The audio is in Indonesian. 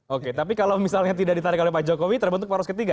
oke tapi kalau misalnya tidak ditarik oleh pak jokowi terbentuk poros ketiga